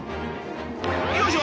［よいしょ！